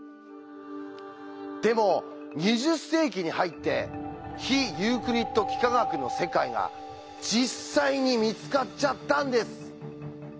でも２０世紀に入って非ユークリッド幾何学の世界が実際に見つかっちゃったんです。